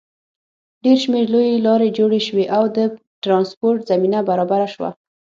ډېر شمېر لویې لارې جوړې شوې او د ټرانسپورټ زمینه برابره شوه.